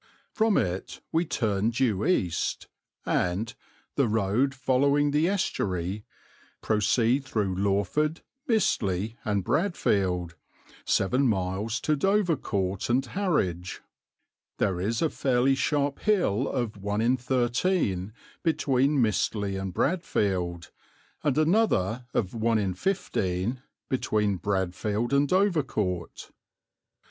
From it we turn due east, and, the road following the estuary, proceed through Lawford, Mistley, and Bradfield, seven miles to Dovercourt and Harwich. There is a fairly sharp hill of 1 in 13 between Mistley and Bradfield, and another of 1 in 15 between Bradfield and Dovercourt.